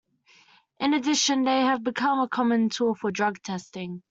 In addition they have become a common tool for drug testing.